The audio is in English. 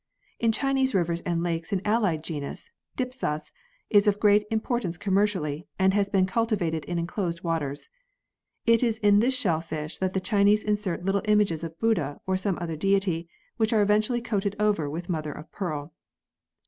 In Chinese rivers and lakes an allied genus Dipsas, is of great importance commercially, and has been cultivated in enclosed waters. It is in this shell fish that the Chinese insert little images of Buddha or some other deity, which are eventually coated over with mother of pearl.